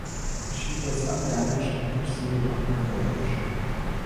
She was undamaged and proceeded on her voyage.